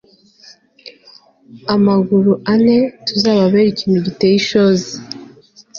amaguru ane tuzababere ikintu giteye ishozi